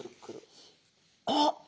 あっ！